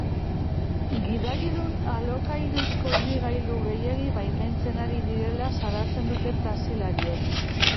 Gidaridun alokairuzko ibilgailu gehiegi baimentzen ari direla salatzen dute taxilariek.